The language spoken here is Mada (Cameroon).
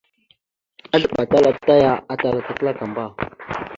Azləɓatal ata aya atal ata klakamba.